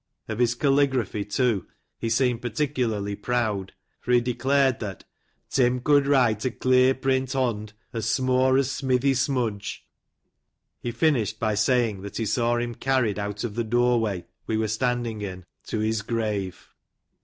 Of bis caligraphy, too, he seemed particularly proud, for be declared that " Tim could write a clear print bond, as smo as smithy smudge." He finished by saying that he saw bim carried out of tbe door way we were standing in, to his grave.